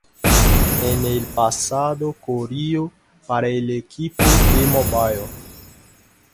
En el pasado corrió para el equipo T-Mobile.